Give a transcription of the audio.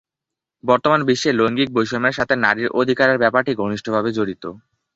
বর্তমান বিশ্বে লৈঙ্গিক বৈষম্যের সাথে নারীর অধিকারের ব্যাপারটি ঘনিষ্ঠভাবে জড়িত।